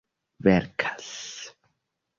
verkas